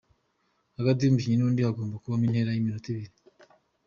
Hagati y’umukinnyi n’undi hagomba kubamo intera y’iminota ibiri.